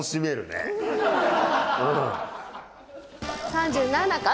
３７か？